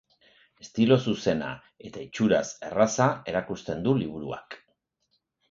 Estilo zuzena eta itxuraz erraza erakusten du liburuak.